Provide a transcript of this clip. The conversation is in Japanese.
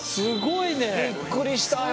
びっくりしたよ。